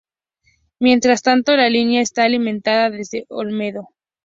Mientras tanto la línea está alimentada desde Olmedo.